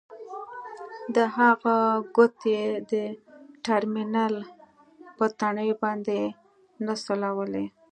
د هغه ګوتې د ټرمینل په تڼیو باندې نڅولې